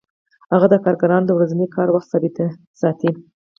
هغه د کارګرانو د ورځني کار وخت ثابت ساتي